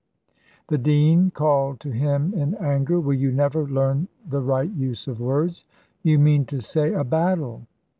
The dean called to him in anger, "Will you never learn the right use of words? You mean to say a battle."